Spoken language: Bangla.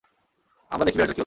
আমরা দেখি বিড়ালটার কী হলো।